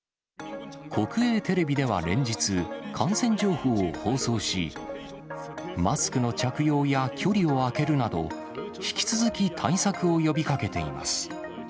国営テレビでは連日、感染情報を放送し、マスクの着用や距離を空けるなど、引き続き対策を呼びかけています。